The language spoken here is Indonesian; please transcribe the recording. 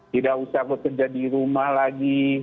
tidak usah bekerja di rumah lagi